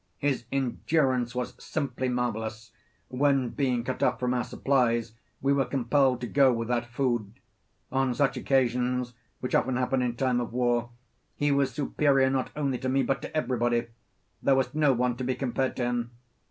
His endurance was simply marvellous when, being cut off from our supplies, we were compelled to go without food on such occasions, which often happen in time of war, he was superior not only to me but to everybody; there was no one to be compared to him.